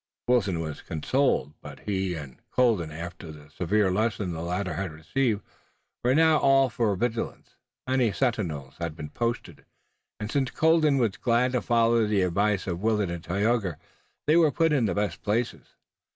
Wilton was consoled. But both he and Colden after the severe lesson the latter had received were now all for vigilance. Many sentinels had been posted, and since Colden was glad to follow the advice of Willet and Tayoga they were put in the best places.